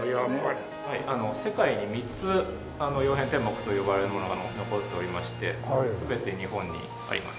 世界に３つ「曜変天目」と呼ばれるものが残っておりまして全て日本にあります。